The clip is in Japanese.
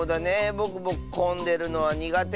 ぼくもこんでるのはにがて。